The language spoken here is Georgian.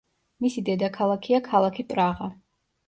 მისი დედაქალაქია ქალაქი პრაღა.